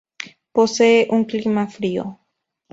Posee un clima frío.